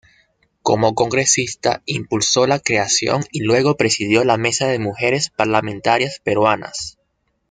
Como congresista, impulsó la creación y luego presidió la Mesa de Mujeres Parlamentarias Peruanas.